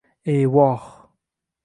E, voh